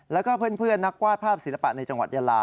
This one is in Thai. แล้วก็เพื่อนนักวาดภาพศิลปะในจังหวัดยาลา